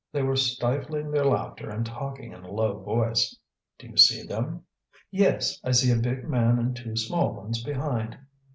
They were stifling their laughter and talking in a low voice. "Do you see them?" "Yes, I see a big man and two small ones behind."